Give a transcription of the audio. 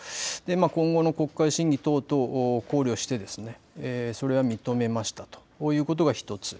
今後の国会審議等々を考慮して、それは認めましたということが１つ。